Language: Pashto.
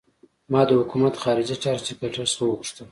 ما د حکومت خارجه چارو سکرټر څخه وغوښتل.